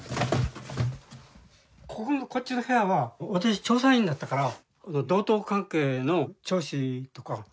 ここのこっちの部屋は私調査員だったから道東関係の町史とか。